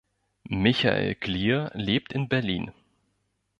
Michael Klier lebt in Berlin.